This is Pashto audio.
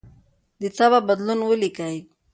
د تبه بدلون ولیکئ.